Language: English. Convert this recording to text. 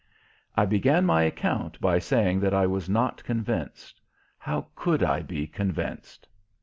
I began my account by saying that I was not convinced. How could I be convinced?